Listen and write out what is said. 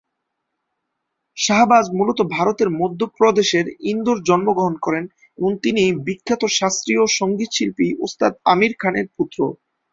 শাহবাজ মূলত ভারতের মধ্যপ্রদেশের ইন্দোর জন্মগ্রহণ করেন এবং তিনি বিখ্যাত শাস্ত্রীয় সঙ্গীতশিল্পী উস্তাদ আমীর খানের পুত্র।